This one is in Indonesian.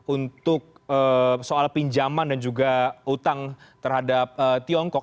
untuk soal pinjaman dan juga utang terhadap tiongkok